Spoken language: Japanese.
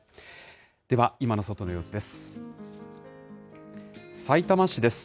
では、今の外の様子です。